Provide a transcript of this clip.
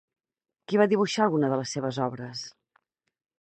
Qui va dibuixar alguna de les seves obres?